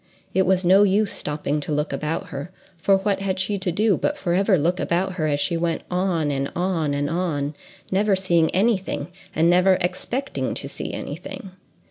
It was no use stopping to look about her, for what had she to do but forever look about her as she went on and on and on—never seeing any thing, and never expecting to see any thing!